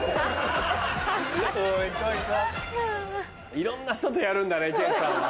いろんな人とやるんだね健さんは。